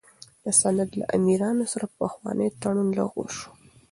د سند له امیرانو سره پخوانی تړون لغوه شو.